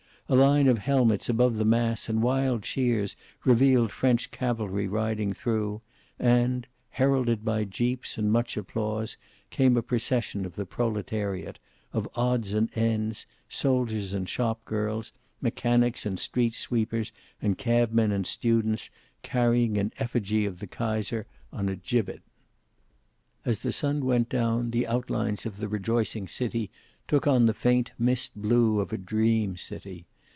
A line of helmets above the mass and wild cheers revealed French cavalry riding through, and, heralded by jeers and much applause came a procession of the proletariat, of odds and ends, soldiers and shop girls, mechanics and street sweepers and cabmen and students, carrying an effigy of the Kaiser on a gibbet. As the sun went down, the outlines of the rejoicing city took on the faint mist blue of a dream city.